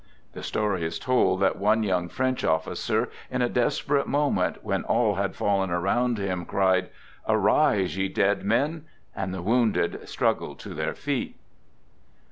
The story is told that one young French 106 Digitized by THE GOOD SOLDIER" 107 officer, in a desperate moment when all had fallen around him, cried: "Arise, ye dead men! " And the wounded struggled to their feet.